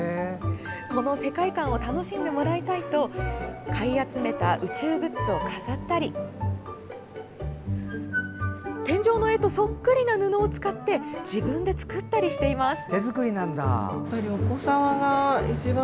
この世界観を楽しんでもらいたいと買い集めた宇宙グッズを飾ったり天井の絵とそっくりな布を使って自分で作ったりしています。